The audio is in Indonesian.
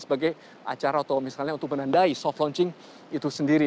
sebagai acara atau misalnya untuk menandai soft launching itu sendiri